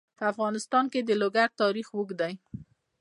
په افغانستان کې د لوگر تاریخ اوږد دی.